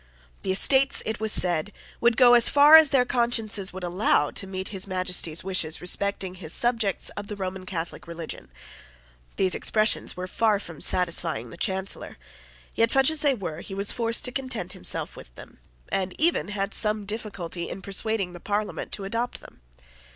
The Estates, it was said, would go as far as their consciences would allow to meet His Majesty's wishes respecting his subjects of the Roman Catholic religion. These expressions were far from satisfying the Chancellor; yet, such as they were, he was forced to content himself with them, and even had some difficulty in persuading the Parliament to adopt them.